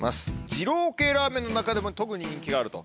二郎系ラーメンの中でも特に人気があると。